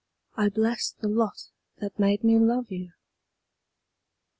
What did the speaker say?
I bless the lot that made me love you.